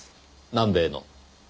南米の？